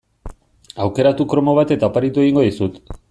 Aukeratu kromo bat eta oparitu egingo dizut.